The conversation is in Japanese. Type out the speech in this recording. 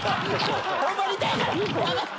ホンマに痛いからやめて！